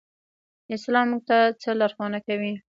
اسلام موږ ته څه لارښوونه کوي؟